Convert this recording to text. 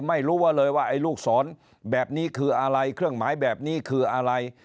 ไม่รู้ว่าเลยว่าไอ้ลูกศรแบบนี้คืออะไรเครื่องหมายแบบนี้คืออะไร